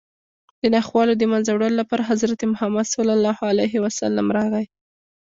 د ناخوالو د منځه وړلو لپاره حضرت محمد صلی الله علیه وسلم راغی